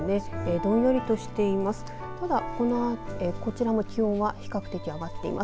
どんよりとしています。